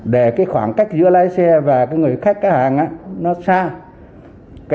để khoảng cách giữa lái xe và người khách khách hàng nó xa